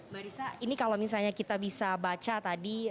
mbak risa ini kalau misalnya kita bisa baca tadi